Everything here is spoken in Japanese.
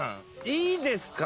いいですか？